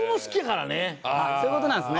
そういう事なんですね。